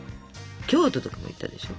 京都とかも行ったでしょ？